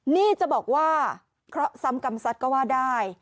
นี่จะบอกว่าเคราะห์ซ้ำกรรมสัตว์ก็ว่าได้